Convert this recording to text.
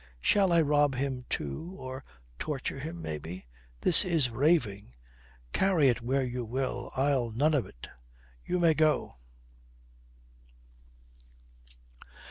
Shall I rob him too, or torture him maybe? This is raving. Carry it where you will, I'll none of it. You may go."